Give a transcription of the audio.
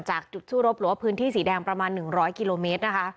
จากจุดสู้รบหลัวพื้นที่สีแดงประมาณ๑๐๐กิโลเมตร